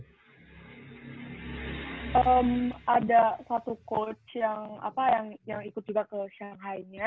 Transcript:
hmm ada satu coach yang apa yang ikut juga ke shanghai nya